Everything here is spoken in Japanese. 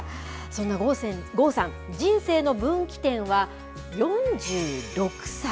そんな郷さん、人生の分岐点は、４６歳。